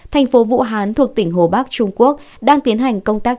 thành phố vũ hán thuộc tỉnh hồ bắc trung quốc đang tiến hành công tác